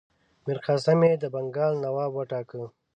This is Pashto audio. میرقاسم یې د بنګال نواب وټاکه.